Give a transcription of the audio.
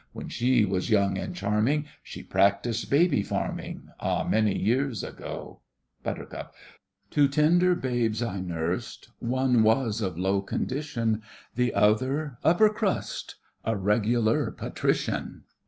When she was young and charming, She practised baby farming, A many years ago. BUT. Two tender babes I nursed: One was of low condition, The other, upper crust, A regular patrician.